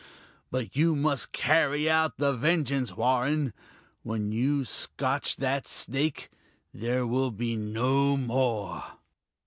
But you must carry out the vengeance, Warren. When you scotch that snake, there will be no more."